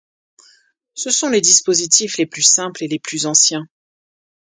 Ce sont les dispositifs les plus simples et les plus anciens.